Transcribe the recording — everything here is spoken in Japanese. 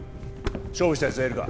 勝負したいやつはいるか？